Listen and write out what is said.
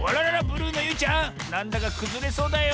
ブルーのゆいちゃんなんだかくずれそうだよ。